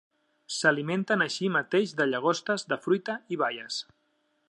S'alimenten així mateix de llagostes, de fruita i baies.